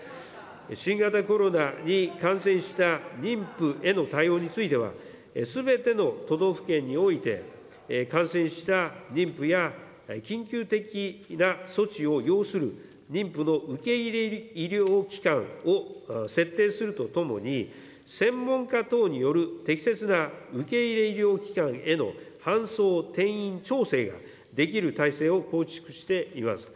新型コロナに感染した妊婦への対応については、すべての都道府県において、感染した妊婦や、緊急的な措置を要する妊婦の受け入れ医療機関を設定するとともに、専門家等による、適切な受け入れ医療機関への搬送転院調整ができる体制を構築しています。